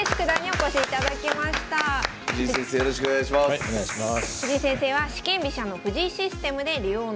はいお願いします。